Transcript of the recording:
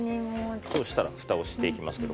そうしたら蓋をしていきますけど。